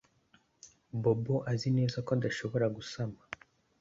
Bobo azi neza ko adashobora gusama